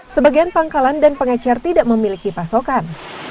sebagian pangkalan dan pengecer tidak memiliki pasokan